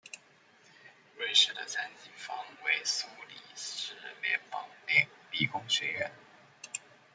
瑞士的参与方为苏黎世联邦理工学院。